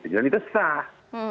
dan itu sah